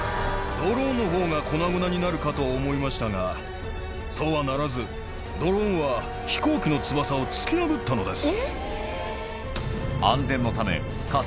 ドローンのほうが粉々になるかと思いましたがそうはならずドローンは飛行機の翼を突き破ったのです。